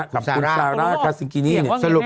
กับกุศาราคาซิงกินี่